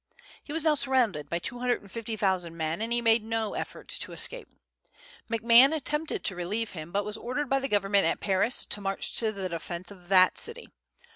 He was now surrounded by two hundred and fifty thousand men, and he made no effort to escape. McMahon attempted to relieve him, but was ordered by the government at Paris to march to the defence of that city.